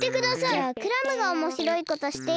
じゃあクラムがおもしろいことしてよ。